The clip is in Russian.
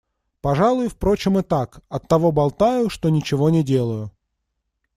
Пожалуй, впрочем, и так: оттого болтаю, что ничего не делаю.